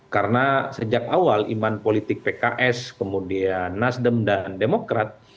karena sejak awal iman politik pks kemudian nasdem dan demokrat